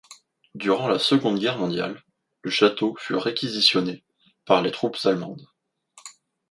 Durant la Seconde Guerre mondiale, le château fut réquisitionné par les troupes allemandes.